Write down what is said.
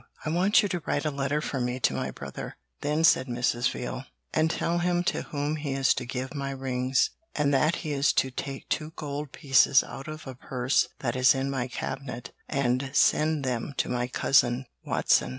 'I want you to write a letter for me to my brother,' then said Mrs. Veal, 'and tell him to whom he is to give my rings, and that he is to take two gold pieces out of a purse that is in my cabinet, and send them to my cousin Watson.'